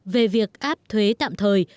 về việc áp thuế tạm thời